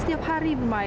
setiap hari bermain